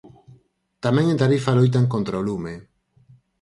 Tamén en Tarifa loitan contra o lume.